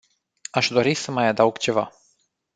Aș dori să mai adaug ceva.